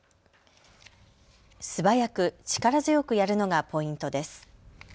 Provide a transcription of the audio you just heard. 素早く力強くやるのがポイントです。